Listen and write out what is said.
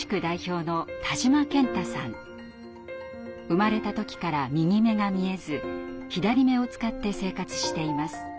生まれた時から右目が見えず左目を使って生活しています。